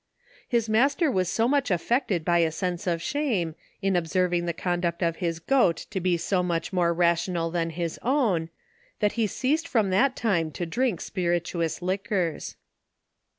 His master was so much affected by a sense of shame in observing the conduct of his goat to be so much more rational than his own, that he ceased from that time to drink spiritous liquors.